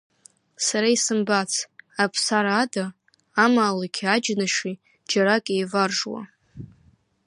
Сара исымбац, Аԥсара ада, амаалықьи аџьныши џьарак еиваржуа.